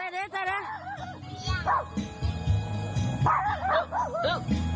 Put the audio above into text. เอาเต้นเลยเต้นเลย